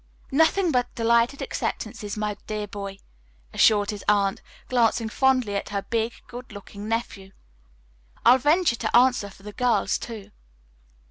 "Nothing but delighted acceptances, my dear boy," assured his aunt, glancing fondly at her big, good looking nephew. "I'll venture to answer for the girls, too."